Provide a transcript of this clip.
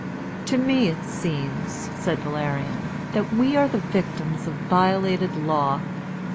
"To me it seems," said Valerian, "that we are the victims of violated law.